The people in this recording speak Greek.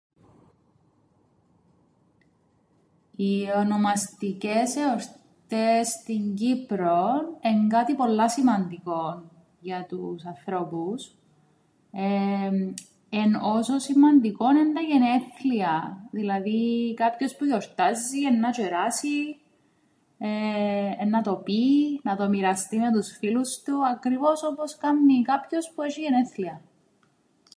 Οι ονομαστικές εορτές στην Κύπρον εν' κάτι πολλά σημαντικόν για τους ανθρώπους εν' όσον σημαντικόν εν' τα γενέθλια. Δηλαδή κάποιος που εννά γιορτάζει εννά τζ̆εράσει, εεε εννά το πει, να το μοιραστεί με τους φίλους του, ακριβώς όπως κάμνει κάποιος που έσ̆ει γενέθλια.